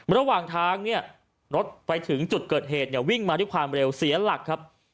ระหว่างทางรถไปถึงจุดเกิดเหตุวิ่งมาที่ความเร็วเสียหลัก